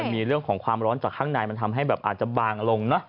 มีเรื่องของความร้อนจากข้างในมันทำให้แบบอาจจะบางลงนะ